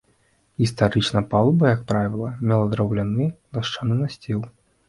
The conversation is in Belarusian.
Гістарычна палуба, як правіла, мела драўляны дашчаны насціл.